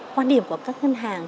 quan điểm của các ngân hàng